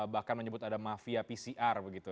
bahkan menyebut ada mafia pcr begitu